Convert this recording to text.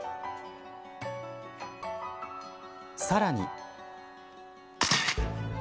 さらに。